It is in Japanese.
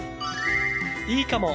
いいかも！